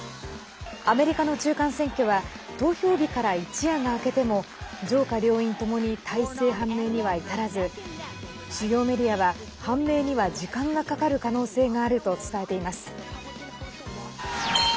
アメリカの中間選挙は投票日から一夜が明けても上下両院ともに大勢判明には至らず主要メディアは判明には時間がかかる可能性があると伝えています。